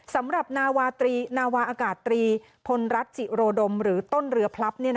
สำหรับนาวาอากาศตรีพลรัฐจิโรดมหรือต้นเรือพลับ